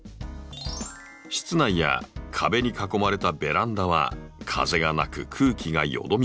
室内や壁に囲まれたベランダは風がなく空気がよどみがち。